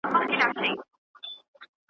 وروستیو شېبو کې یې« یو عربي شعر»